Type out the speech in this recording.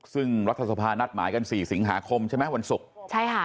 ซึ่งรัฐสภานัดหมายกันสี่สิงหาคมใช่ไหมวันศุกร์ใช่ค่ะ